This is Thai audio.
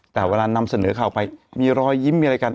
แต่เวลานำเสนอข่าวไปมีรอยยิ้มมีอะไรกัน